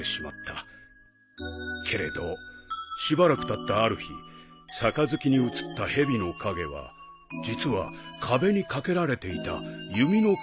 けれどしばらくたったある日杯に映ったヘビの影は実は壁に掛けられていた弓の影だと気付いてね。